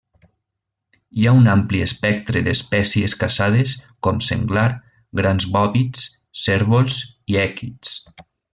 Hi ha un ampli espectre d'espècies caçades, com senglar, grans bòvids, cérvols i èquids.